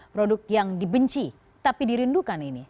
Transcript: produk yang dibenci tapi dirindukan ini